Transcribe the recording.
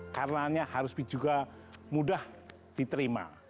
karenanya harus juga mudah diterima